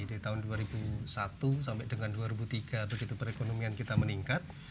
dari tahun dua ribu satu sampai dengan dua ribu tiga begitu perekonomian kita meningkat